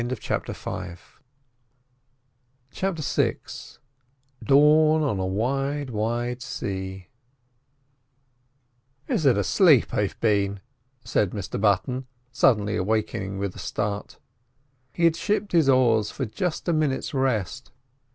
CHAPTER VI DAWN ON A WIDE, WIDE SEA "Is it aslape I've been?" said Mr Button, suddenly awaking with a start. He had shipped his oars just for a minute's rest.